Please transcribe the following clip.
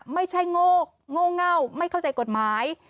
ไม่ใช่โง่เงาไม่เข้าใจกฎหมาย